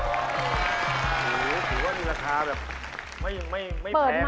ถือว่านี่ราคาแบบไม่แพงเลยนะ